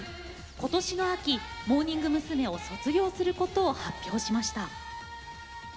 今年の秋、モーニング娘。を卒業することを発表しました。